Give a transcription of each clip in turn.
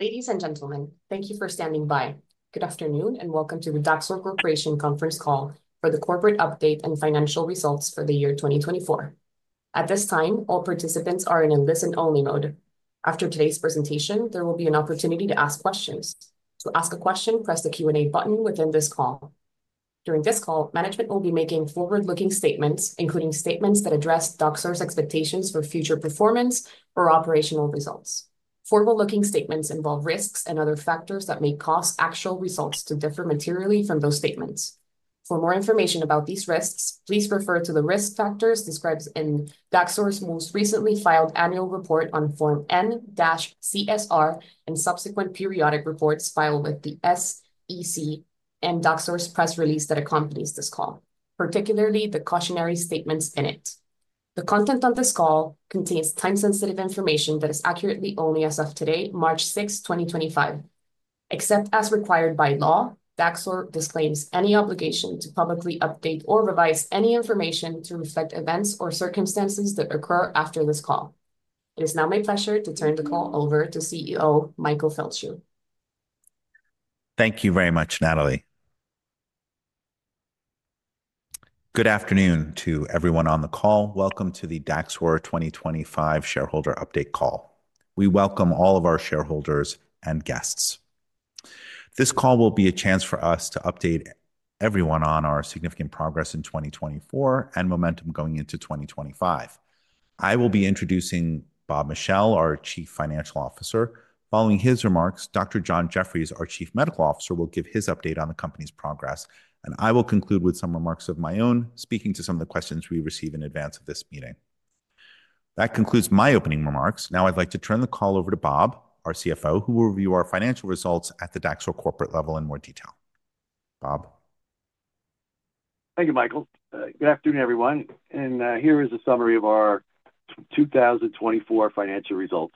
Ladies and gentlemen, thank you for standing by. Good afternoon and welcome to the Daxor Corporation conference call for the corporate update and financial results for the year 2024. At this time, all participants are in a listen-only mode. After today's presentation, there will be an opportunity to ask questions. To ask a question, press the Q&A button within this call. During this call, management will be making forward-looking statements, including statements that address Daxor's expectations for future performance or operational results. Forward-looking statements involve risks and other factors that may cause actual results to differ materially from those statements. For more information about these risks, please refer to the risk factors described in Daxor's most recently filed annual report on Form N-CSR and subsequent periodic reports filed with the SEC and Daxor's press release that accompanies this call, particularly the cautionary statements in it. The content of this call contains time-sensitive information that is accurate only as of today, March 6th, 2025. Except as required by law, Daxor disclaims any obligation to publicly update or revise any information to reflect events or circumstances that occur after this call. It is now my pleasure to turn the call over to CEO Michael Feldschuh. Thank you very much, Natalie. Good afternoon to everyone on the call. Welcome to the Daxor 2025 Shareholder Update Call. We welcome all of our shareholders and guests. This call will be a chance for us to update everyone on our significant progress in 2024 and momentum going into 2025. I will be introducing Bob Michel, our Chief Financial Officer. Following his remarks, Dr. John Jefferies, our Chief Medical Officer, will give his update on the company's progress, and I will conclude with some remarks of my own, speaking to some of the questions we receive in advance of this meeting. That concludes my opening remarks. Now I'd like to turn the call over to Bob, our CFO, who will review our financial results at the Daxor corporate level in more detail. Bob. Thank you, Michael. Good afternoon, everyone. Here is a summary of our 2024 financial results.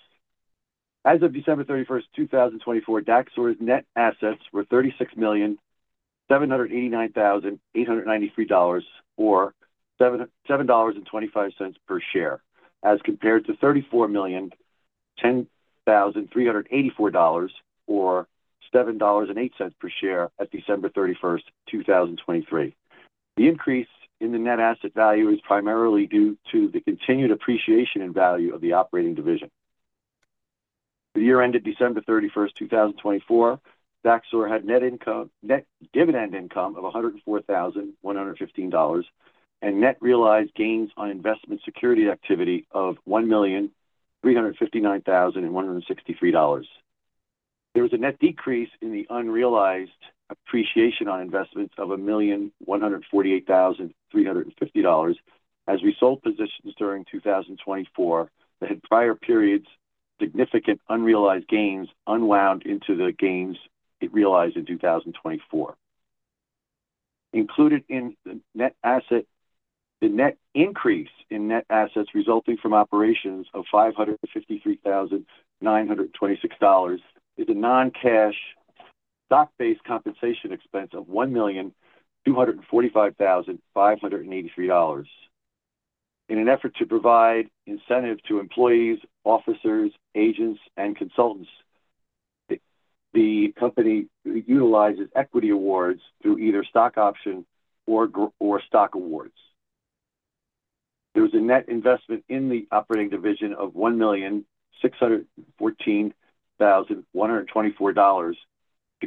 As of December 31st, 2024, Daxor's net assets were $36,789,893 or $7.25 per share, as compared to $34,100,384 or $7.08 per share at December 31st, 2023. The increase in the net asset value is primarily due to the continued appreciation in value of the operating division. The year ended December 31st, 2024. Daxor had net dividend income of $104,115 and net realized gains on investment security activity of $1,359,163. There was a net decrease in the unrealized appreciation on investments of $1,148,350 as we sold positions during 2024 that had prior periods' significant unrealized gains unwound into the gains it realized in 2024. Included in the net asset, the net increase in net assets resulting from operations of $553,926 is a non-cash stock-based compensation expense of $1,245,583. In an effort to provide incentives to employees, officers, agents, and consultants, the company utilizes equity awards through either stock option or stock awards. There was a net investment in the operating division of $1,614,124 to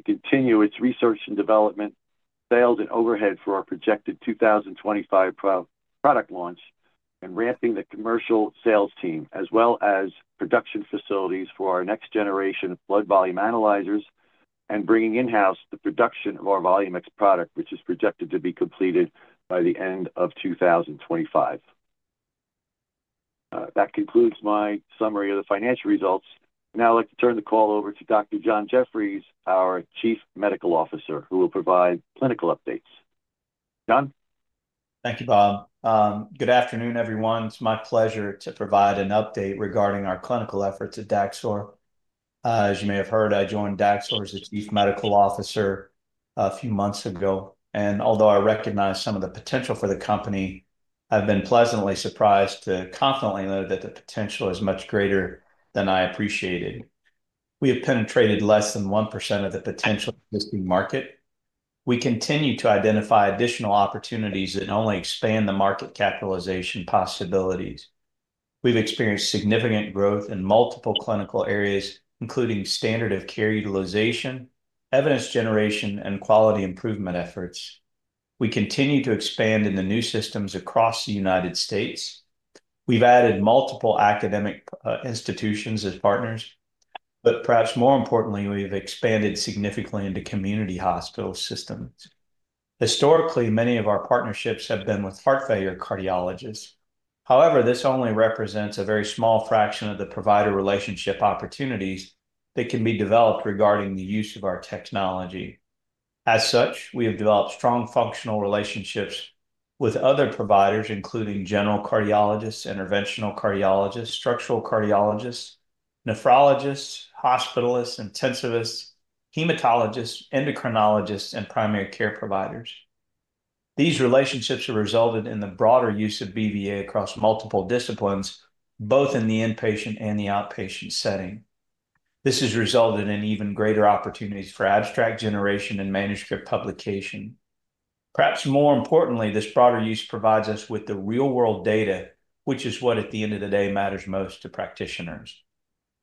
continue its research and development, sales and overhead for our projected 2025 product launch, and ramping the commercial sales team, as well as production facilities for our next generation blood volume analyzers, and bringing in-house the production of our Volumex product, which is projected to be completed by the end of 2025. That concludes my summary of the financial results. Now I'd like to turn the call over to Dr. John Jefferies, our Chief Medical Officer, who will provide clinical updates. John. Thank you, Bob. Good afternoon, everyone. It's my pleasure to provide an update regarding our clinical efforts at Daxor. As you may have heard, I joined Daxor as Chief Medical Officer a few months ago. Although I recognize some of the potential for the company, I've been pleasantly surprised to confidently know that the potential is much greater than I appreciated. We have penetrated less than 1% of the potential existing market. We continue to identify additional opportunities that only expand the market capitalization possibilities. We've experienced significant growth in multiple clinical areas, including standard of care utilization, evidence generation, and quality improvement efforts. We continue to expand into new systems across the United States. We've added multiple academic institutions as partners, but perhaps more importantly, we have expanded significantly into community hospital systems. Historically, many of our partnerships have been with heart failure cardiologists. However, this only represents a very small fraction of the provider relationship opportunities that can be developed regarding the use of our technology. As such, we have developed strong functional relationships with other providers, including general cardiologists, interventional cardiologists, structural cardiologists, nephrologists, hospitalists, intensivists, hematologists, endocrinologists, and primary care providers. These relationships have resulted in the broader use of BVA across multiple disciplines, both in the inpatient and the outpatient setting. This has resulted in even greater opportunities for abstract generation and manuscript publication. Perhaps more importantly, this broader use provides us with the real-world data, which is what, at the end of the day, matters most to practitioners.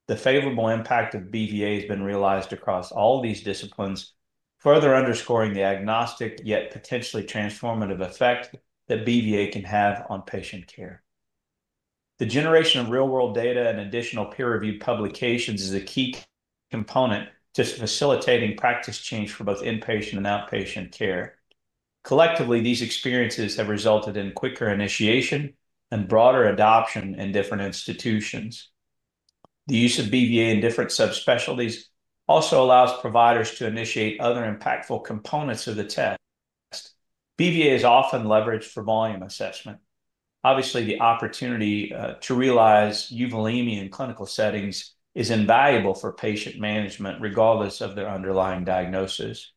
The favorable impact of BVA has been realized across all these disciplines, further underscoring the agnostic yet potentially transformative effect that BVA can have on patient care. The generation of real-world data and additional peer-reviewed publications is a key component to facilitating practice change for both inpatient and outpatient care. Collectively, these experiences have resulted in quicker initiation and broader adoption in different institutions. The use of BVA in different subspecialties also allows providers to initiate other impactful components of the test. BVA is often leveraged for volume assessment. Obviously, the opportunity to realize euvolemia in clinical settings is invaluable for patient management, regardless of their underlying diagnosis.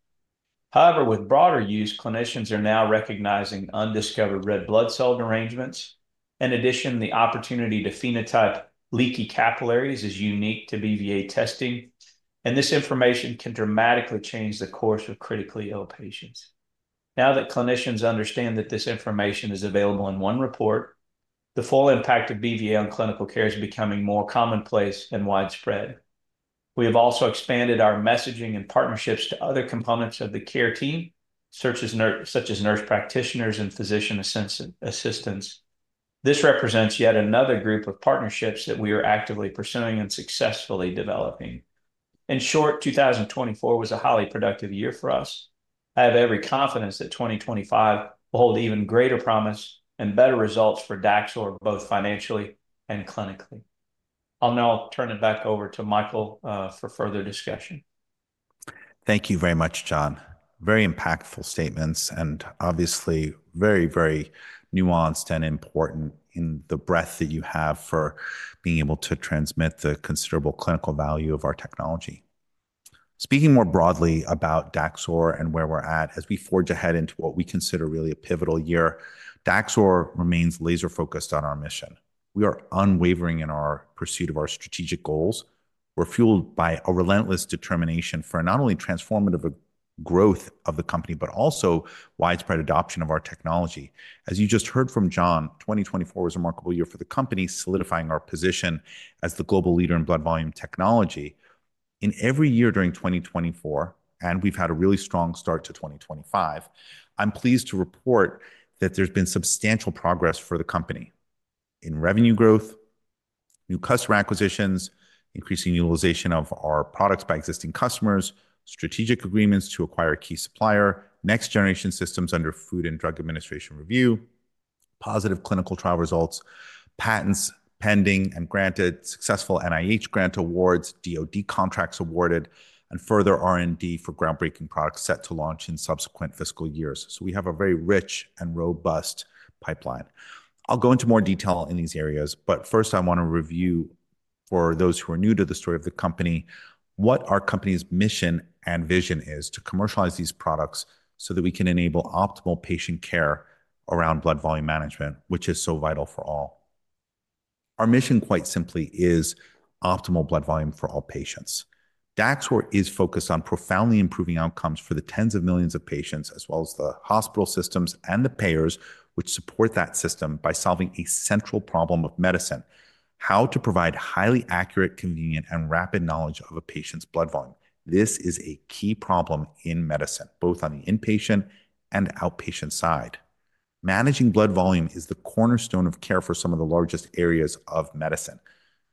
However, with broader use, clinicians are now recognizing undiscovered red blood cell derangements. In addition, the opportunity to phenotype leaky capillaries is unique to BVA testing, and this information can dramatically change the course of critically ill patients. Now that clinicians understand that this information is available in one report, the full impact of BVA on clinical care is becoming more commonplace and widespread. We have also expanded our messaging and partnerships to other components of the care team, such as nurse practitioners and physician assistants. This represents yet another group of partnerships that we are actively pursuing and successfully developing. In short, 2024 was a highly productive year for us. I have every confidence that 2025 will hold even greater promise and better results for Daxor, both financially and clinically. I'll now turn it back over to Michael for further discussion. Thank you very much, John. Very impactful statements and obviously very, very nuanced and important in the breadth that you have for being able to transmit the considerable clinical value of our technology. Speaking more broadly about Daxor and where we're at as we forge ahead into what we consider really a pivotal year, Daxor remains laser-focused on our mission. We are unwavering in our pursuit of our strategic goals. We're fueled by a relentless determination for not only transformative growth of the company, but also widespread adoption of our technology. As you just heard from John, 2024 was a remarkable year for the company, solidifying our position as the global leader in blood volume technology. In every year during 2024, and we've had a really strong start to 2025, I'm pleased to report that there's been substantial progress for the company in revenue growth, new customer acquisitions, increasing utilization of our products by existing customers, strategic agreements to acquire a key supplier, next-generation systems under Food and Drug Administration review, positive clinical trial results, patents pending and granted, successful NIH grant awards, DoD contracts awarded, and further R&D for groundbreaking products set to launch in subsequent fiscal years. We have a very rich and robust pipeline. I'll go into more detail in these areas, but first I want to review, for those who are new to the story of the company, what our company's mission and vision is to commercialize these products so that we can enable optimal patient care around blood volume management, which is so vital for all. Our mission, quite simply, is optimal blood volume for all patients. Daxor is focused on profoundly improving outcomes for the tens of millions of patients, as well as the hospital systems and the payers, which support that system by solving a central problem of medicine: how to provide highly accurate, convenient, and rapid knowledge of a patient's blood volume. This is a key problem in medicine, both on the inpatient and outpatient side. Managing blood volume is the cornerstone of care for some of the largest areas of medicine.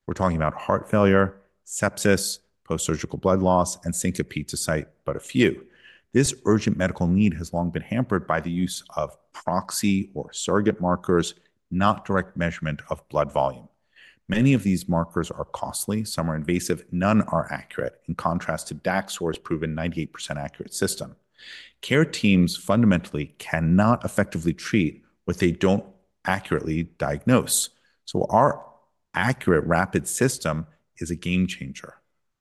We're talking about heart failure, sepsis, post-surgical blood loss, and syncope to cite but a few. This urgent medical need has long been hampered by the use of proxy or surrogate markers, not direct measurement of blood volume. Many of these markers are costly, some are invasive, none are accurate, in contrast to Daxor's proven 98% accurate system. Care teams fundamentally cannot effectively treat what they don't accurately diagnose. Our accurate, rapid system is a game changer.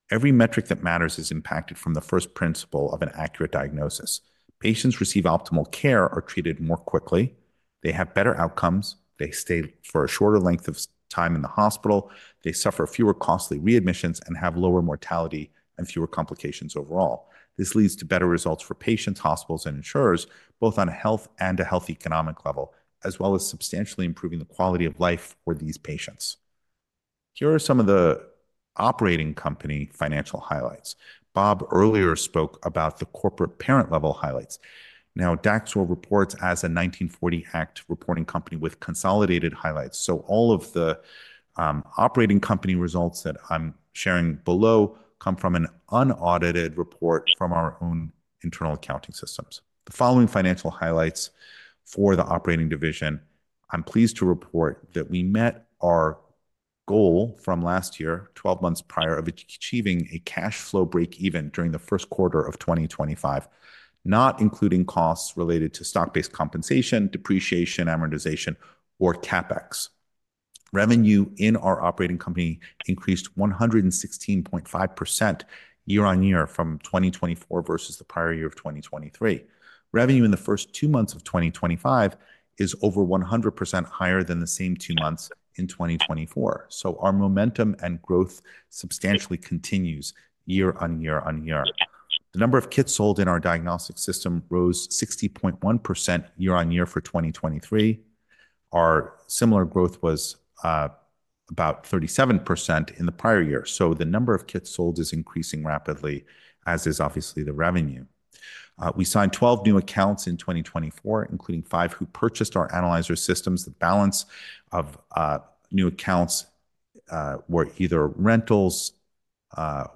Every metric that matters is impacted from the first principle of an accurate diagnosis. Patients receive optimal care, are treated more quickly, they have better outcomes, they stay for a shorter length of time in the hospital, they suffer fewer costly readmissions, and have lower mortality and fewer complications overall. This leads to better results for patients, hospitals, and insurers, both on a health and a health economic level, as well as substantially improving the quality of life for these patients. Here are some of the operating company financial highlights. Bob earlier spoke about the corporate parent-level highlights. Now, Daxor reports as a 1940 Act reporting company with consolidated highlights. All of the operating company results that I'm sharing below come from an unaudited report from our own internal accounting systems. The following financial highlights for the operating division: I'm pleased to report that we met our goal from last year, twelve months prior, of achieving a cash flow break-even during the first quarter of 2025, not including costs related to stock-based compensation, depreciation, amortization, or CapEx. Revenue in our operating company increased 116.5% year on year from 2024 versus the prior year of 2023. Revenue in the first two months of 2025 is over 100% higher than the same two months in 2024. Our momentum and growth substantially continues year on year on year. The number of kits sold in our diagnostic system rose 60.1% year on year for 2023. Our similar growth was about 37% in the prior year. The number of kits sold is increasing rapidly, as is obviously the revenue. We signed 12 new accounts in 2024, including five who purchased our analyzer systems. The balance of new accounts were either rentals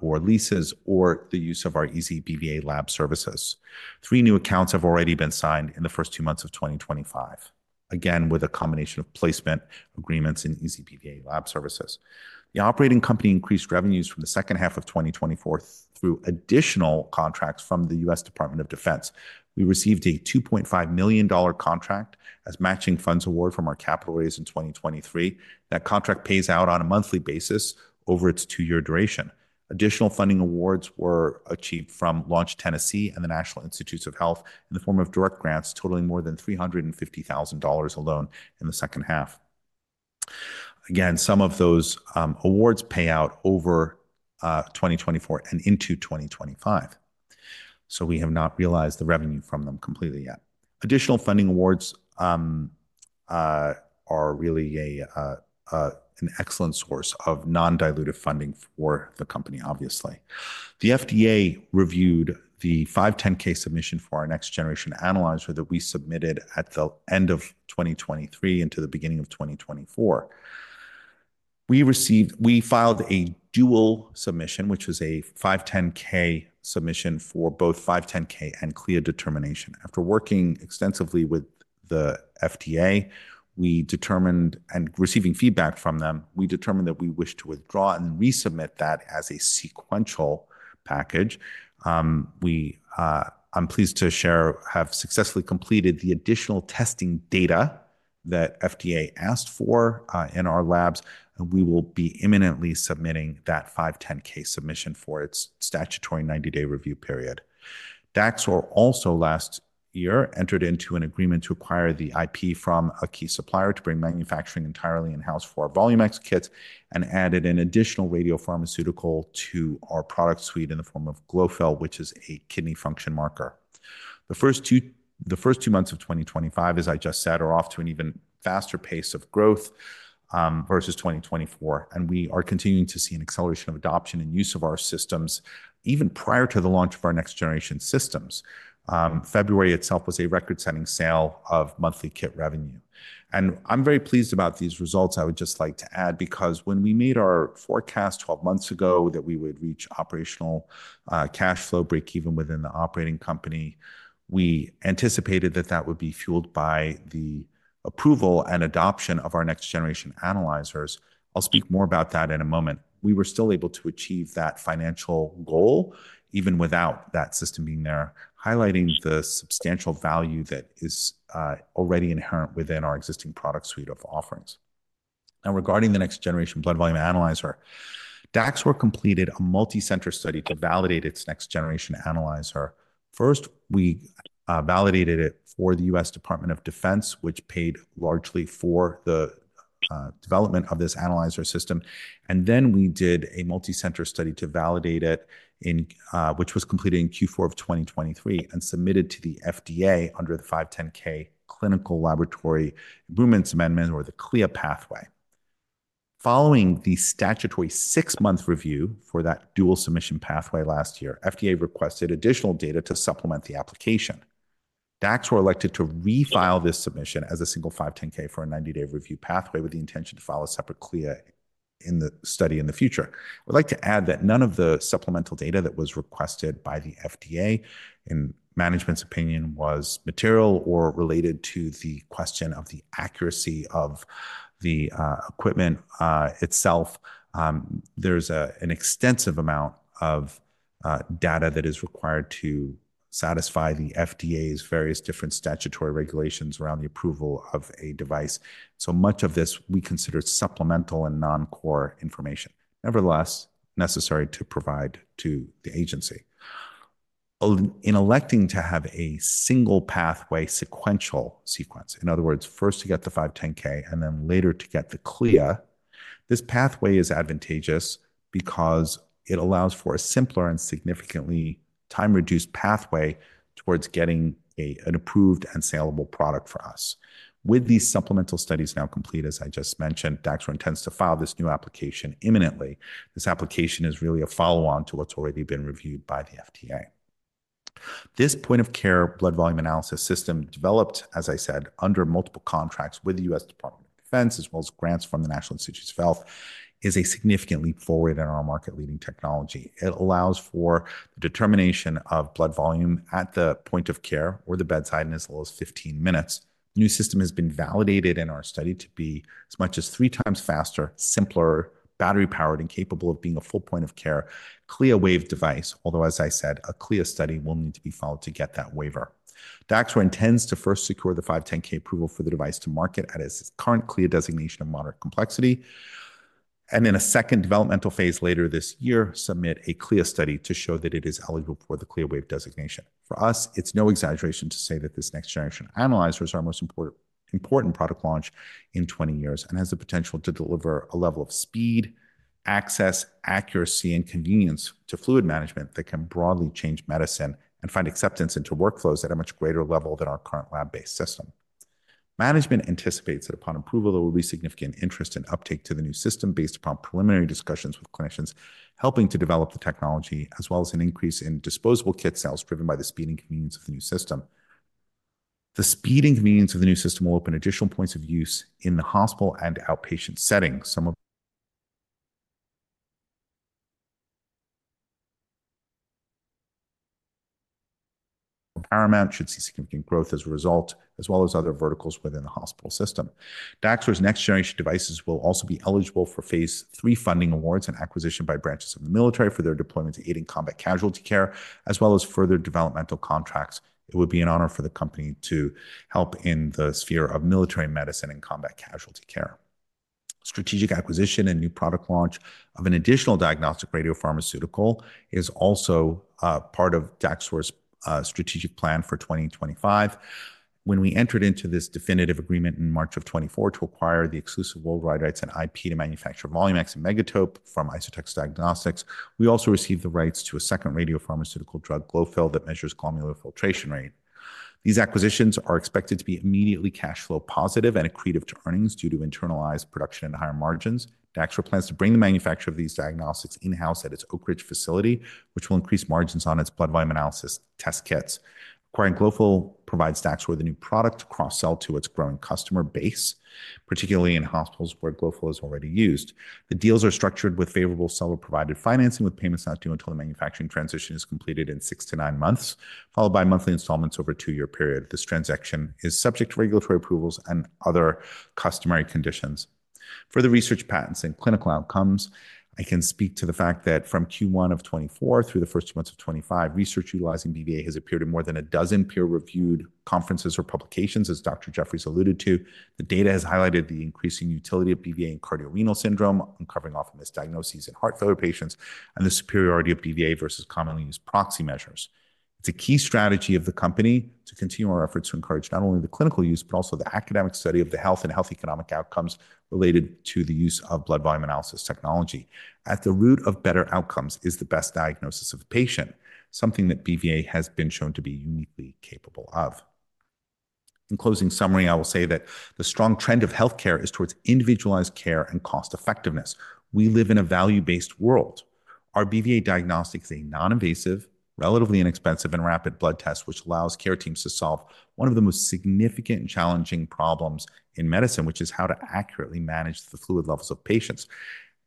or leases or the use of our ezBVA lab services. Three new accounts have already been signed in the first two months of 2025, again with a combination of placement agreements and ezBVA lab services. The operating company increased revenues from the second half of 2024 through additional contracts from the U.S. Department of Defense. We received a $2.5 million contract as matching funds award from our capital raise in 2023. That contract pays out on a monthly basis over its two-year duration. Additional funding awards were achieved from Launch Tennessee and the National Institutes of Health in the form of direct grants totaling more than $350,000 alone in the second half. Again, some of those awards pay out over 2024 and into 2025. We have not realized the revenue from them completely yet. Additional funding awards are really an excellent source of non-dilutive funding for the company, obviously. The FDA reviewed the 510(k) submission for our next-generation analyzer that we submitted at the end of 2023 into the beginning of 2024. We filed a dual submission, which was a 510(k) submission for both 510(k) and CLIA determination. After working extensively with the FDA and receiving feedback from them, we determined that we wish to withdraw and resubmit that as a sequential package. I'm pleased to share we have successfully completed the additional testing data that FDA asked for in our labs, and we will be imminently submitting that 510(k) submission for its statutory 90-day review period. Daxor also last year entered into an agreement to acquire the IP from a key supplier to bring manufacturing entirely in-house for our Volumex kits and added an additional radiopharmaceutical to our product suite in the form of Glofil, which is a kidney function marker. The first two months of 2025, as I just said, are off to an even faster pace of growth versus 2024, and we are continuing to see an acceleration of adoption and use of our systems even prior to the launch of our next-generation systems. February itself was a record-setting sale of monthly kit revenue. I am very pleased about these results. I would just like to add, because when we made our forecast 12 months ago that we would reach operational cash flow break-even within the operating company, we anticipated that that would be fueled by the approval and adoption of our next generation analyzers. I will speak more about that in a moment. We were still able to achieve that financial goal even without that system being there, highlighting the substantial value that is already inherent within our existing product suite of offerings. Now, regarding the next-generation blood volume analyzer, Daxor completed a multi-center study to validate its next-generation analyzer. First, we validated it for the U.S. Department of Defense, which paid largely for the development of this analyzer system. We did a multi-center study to validate it, which was completed in Q4 of 2023 and submitted to the FDA under the 510(k) Clinical Laboratory Improvement Amendments or the CLIA pathway. Following the statutory six-month review for that dual submission pathway last year, the FDA requested additional data to supplement the application. Daxor elected to refile this submission as a single 510(k) for a 90-day review pathway with the intention to file a separate CLIA study in the future. I would like to add that none of the supplemental data that was requested by the FDA, in management's opinion, was material or related to the question of the accuracy of the equipment itself. There is an extensive amount of data that is required to satisfy the FDA's various different statutory regulations around the approval of a device. Much of this we consider supplemental and non-core information, nevertheless necessary to provide to the agency. In electing to have a single pathway sequential sequence, in other words, first to get the 510(k) and then later to get the CLIA, this pathway is advantageous because it allows for a simpler and significantly time-reduced pathway towards getting an approved and saleable product for us. With these supplemental studies now complete, as I just mentioned, Daxor intends to file this new application imminently. This application is really a follow-on to what's already been reviewed by the FDA. This point-of-care blood volume analysis system, developed, as I said, under multiple contracts with the U.S. Department of Defense, as well as grants from the National Institutes of Health, is a significant leap forward in our market-leading technology. It allows for the determination of blood volume at the point of care or the bedside in as little as 15 minutes. The new system has been validated in our study to be as much as three times faster, simpler, battery-powered, and capable of being a full point-of-care CLIA waived device, although, as I said, a CLIA study will need to be followed to get that waiver. Daxor intends to first secure the 510(k) approval for the device to market at its current CLIA designation of moderate complexity, and in a second developmental phase later this year, submit a CLIA study to show that it is eligible for the CLIA waived designation. For us, it's no exaggeration to say that this next generation analyzers are our most important product launch in 20 years and has the potential to deliver a level of speed, access, accuracy, and convenience to fluid management that can broadly change medicine and find acceptance into workflows at a much greater level than our current lab-based system. Management anticipates that upon approval, there will be significant interest and uptake to the new system based upon preliminary discussions with clinicians helping to develop the technology, as well as an increase in disposable kit sales driven by the speed and convenience of the new system. The speed and convenience of the new system will open additional points of use in the hospital and outpatient settings. Some of paramount should see significant growth as a result, as well as other verticals within the hospital system. Daxor's next generation devices will also be eligible for phase three funding awards and acquisition by branches of the military for their deployment to aid in combat casualty care, as well as further developmental contracts. It would be an honor for the company to help in the sphere of military medicine and combat casualty care. Strategic acquisition and new product launch of an additional diagnostic radiopharmaceutical is also part of Daxor's strategic plan for 2025. When we entered into this definitive agreement in March of 2024 to acquire the exclusive worldwide rights and IP to manufacture Volumex and Megatope from IsoTex Diagnostics, we also received the rights to a second radiopharmaceutical drug, Glofil, that measures glomerular filtration rate. These acquisitions are expected to be immediately cash flow positive and accretive to earnings due to internalized production and higher margins. Daxor plans to bring the manufacture of these diagnostics in-house at its Oak Ridge facility, which will increase margins on its blood volume analysis test kits. Acquiring Glofil provides Daxor the new product to cross-sell to its growing customer base, particularly in hospitals where Glofil is already used. The deals are structured with favorable seller-provided financing, with payments not due until the manufacturing transition is completed in six to nine months, followed by monthly installments over a two-year period. This transaction is subject to regulatory approvals and other customary conditions. For the research patents and clinical outcomes, I can speak to the fact that from Q1 of 2024 through the first two months of 2025, research utilizing BVA has appeared in more than a dozen peer-reviewed conferences or publications, as Dr. Jefferies alluded to. The data has highlighted the increasing utility of BVA in cardiorenal syndrome, uncovering often misdiagnoses in heart failure patients, and the superiority of BVA versus commonly used proxy measures. It is a key strategy of the company to continue our efforts to encourage not only the clinical use, but also the academic study of the health and health economic outcomes related to the use of blood volume analysis technology. At the root of better outcomes is the best diagnosis of a patient, something that BVA has been shown to be uniquely capable of. In closing summary, I will say that the strong trend of healthcare is towards individualized care and cost-effectiveness. We live in a value-based world. Our BVA diagnostic is a non-invasive, relatively inexpensive, and rapid blood test, which allows care teams to solve one of the most significant and challenging problems in medicine, which is how to accurately manage the fluid levels of patients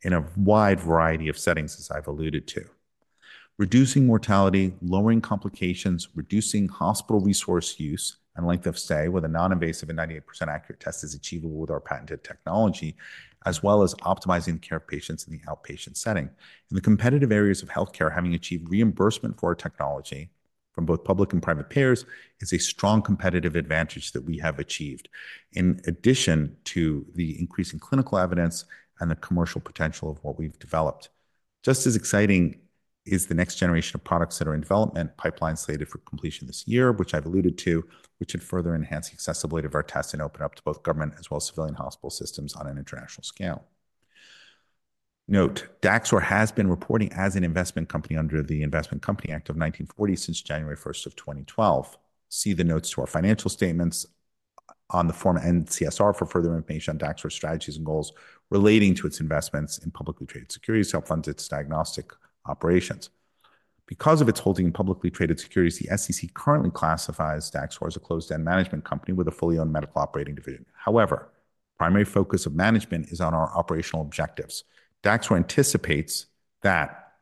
in a wide variety of settings, as I've alluded to. Reducing mortality, lowering complications, reducing hospital resource use, and length of stay with a non-invasive and 98% accurate test is achievable with our patented technology, as well as optimizing the care of patients in the outpatient setting. In the competitive areas of healthcare, having achieved reimbursement for our technology from both public and private payers is a strong competitive advantage that we have achieved, in addition to the increasing clinical evidence and the commercial potential of what we've developed. Just as exciting is the next generation of products that are in development, pipeline slated for completion this year, which I've alluded to, which should further enhance the accessibility of our tests and open up to both government as well as civilian hospital systems on an international scale. Note, Daxor has been reporting as an investment company under the Investment Company Act of 1940 since January 1 of 2012. See the notes to our financial statements on the Form N-CSR for further information on Daxor's strategies and goals relating to its investments in publicly traded securities to help fund its diagnostic operations. Because of its holding in publicly traded securities, the SEC currently classifies Daxor as a closed-end management company with a fully owned medical operating division. However, the primary focus of management is on our operational objectives. Daxor anticipates that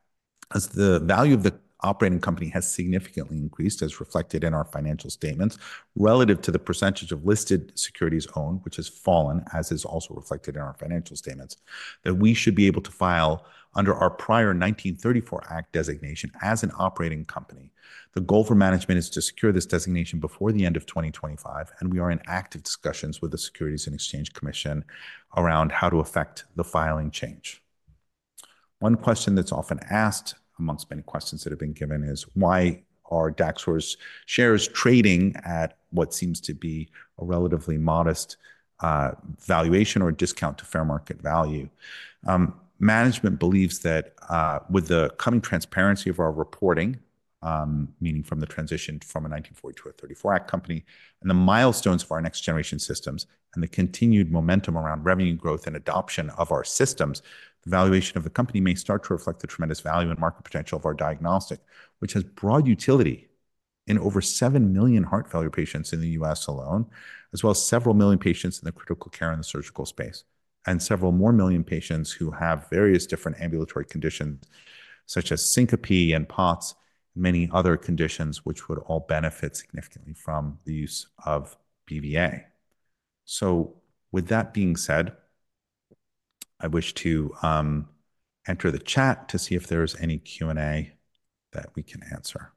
as the value of the operating company has significantly increased, as reflected in our financial statements, relative to the percentage of listed securities owned, which has fallen, as is also reflected in our financial statements, that we should be able to file under our prior 1934 Act designation as an operating company. The goal for management is to secure this designation before the end of 2025, and we are in active discussions with the Securities and Exchange Commission around how to affect the filing change. One question that's often asked amongst many questions that have been given is, why are Daxor's shares trading at what seems to be a relatively modest valuation or discount to fair market value? Management believes that with the coming transparency of our reporting, meaning from the transition from a 1940 or 1934 Act company, and the milestones for our next generation systems, and the continued momentum around revenue growth and adoption of our systems, the valuation of the company may start to reflect the tremendous value and market potential of our diagnostic, which has broad utility in over 7 million heart failure patients in the U.S. alone, as well as several million patients in the critical care and the surgical space, and several more million patients who have various different ambulatory conditions such as syncope and POTS and many other conditions, which would all benefit significantly from the use of BVA. With that being said, I wish to enter the chat to see if there's any Q&A that we can answer.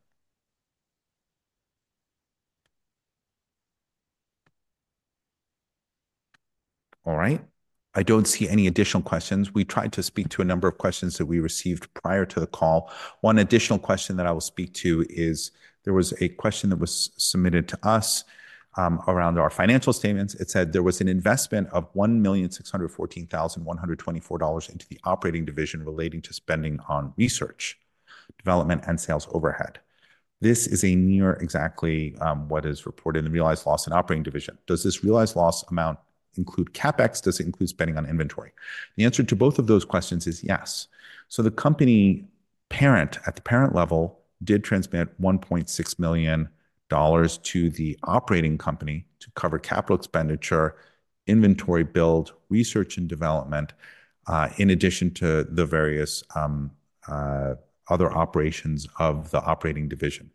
All right. I don't see any additional questions. We tried to speak to a number of questions that we received prior to the call. One additional question that I will speak to is there was a question that was submitted to us around our financial statements. It said there was an investment of $1,614,124 into the operating division relating to spending on research, development, and sales overhead. This is near exactly what is reported in the realized loss in operating division. Does this realized loss amount include CapEx? Does it include spending on inventory? The answer to both of those questions is yes. The company parent at the parent level did transmit $1.6 million to the operating company to cover capital expenditure, inventory build, research, and development, in addition to the various other operations of the operating division.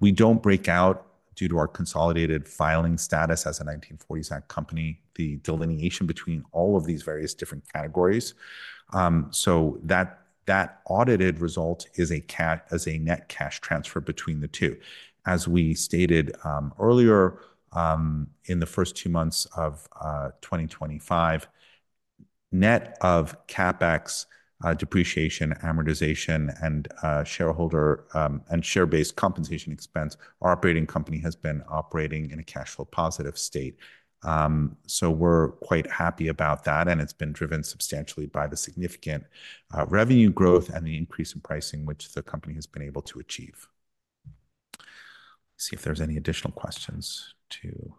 We do not break out due to our consolidated filing status as a 1940s Act company, the delineation between all of these various different categories. That audited result is a net cash transfer between the two. As we stated earlier, in the first two months of 2025, net of CapEx, depreciation, amortization, and shareholder and share-based compensation expense, our operating company has been operating in a cash flow positive state. We are quite happy about that, and it has been driven substantially by the significant revenue growth and the increase in pricing, which the company has been able to achieve. See if there are any additional questions to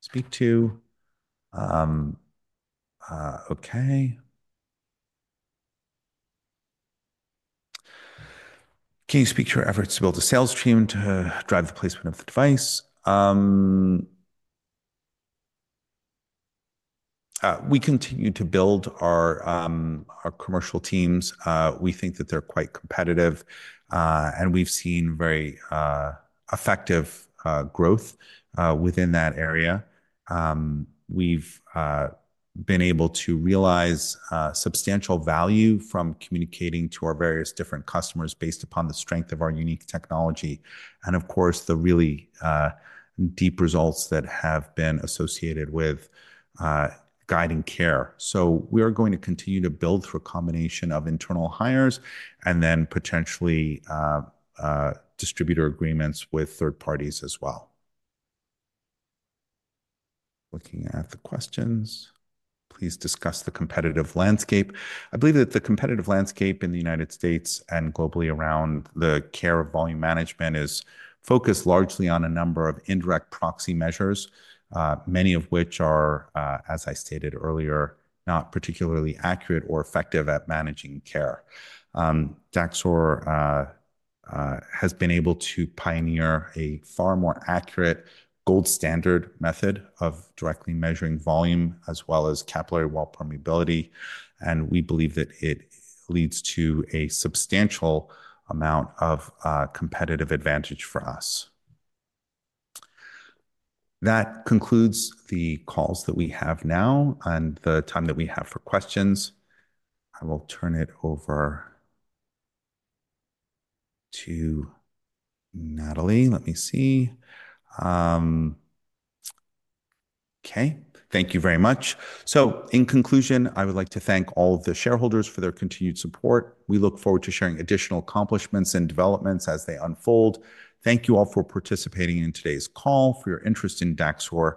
speak to. Okay. Can you speak to our efforts to build a sales team to drive the placement of the device? We continue to build our commercial teams. We think that they are quite competitive, and we have seen very effective growth within that area. We've been able to realize substantial value from communicating to our various different customers based upon the strength of our unique technology and, of course, the really deep results that have been associated with guiding care. We are going to continue to build through a combination of internal hires and then potentially distributor agreements with third parties as well. Looking at the questions, please discuss the competitive landscape. I believe that the competitive landscape in the United States and globally around the care of volume management is focused largely on a number of indirect proxy measures, many of which are, as I stated earlier, not particularly accurate or effective at managing care. Daxor has been able to pioneer a far more accurate gold standard method of directly measuring volume as well as capillary wall permeability, and we believe that it leads to a substantial amount of competitive advantage for us. That concludes the calls that we have now and the time that we have for questions. I will turn it over to Natalie. Let me see. Okay. Thank you very much. In conclusion, I would like to thank all of the shareholders for their continued support. We look forward to sharing additional accomplishments and developments as they unfold. Thank you all for participating in today's call. For your interest in Daxor,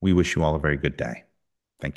we wish you all a very good day. Thank you.